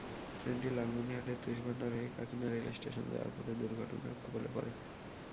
ট্রেনটি লালমনিরহাটের তুষভান্ডার হয়ে কাকিনা রেলস্টেশন যাওয়ার পথে দুর্ঘটনার কবলে পড়ে।